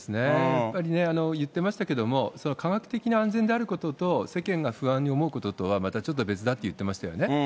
やっぱりね、言ってましたけども、科学的に安全であることと、世間が不安に思うこととは、またちょっと別だって言ってましたよね。